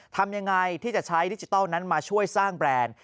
ทำยังไงที่จะใช้ดิจิทัลนั้นมาช่วยสร้างแบรนด์